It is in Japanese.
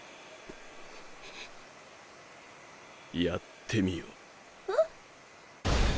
やってみよ。